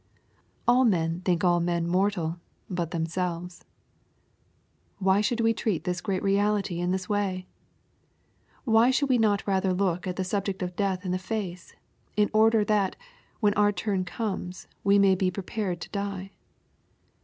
^^ All men think all men mortal but themselves/' But why should we treat this great reality in this way ? Why should we not rather look the subject of death in the face, in order that when our turn comes we may be prepared to die